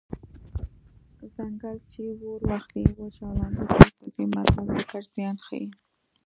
ځنګل چې اور واخلي وچ او لانده ټول سوځي متل د ګډ زیان ښيي